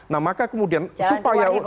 nah maka kemudian supaya